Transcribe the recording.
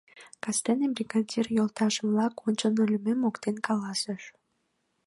Кастене бригадир йолташем-влак ончылно лӱмем моктен каласыш.